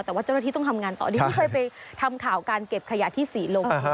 แต่ว่าเจ้าหน้าที่ต้องทำงานต่อดีที่เคยไปทำข่าวการเก็บขยะที่ศรีลม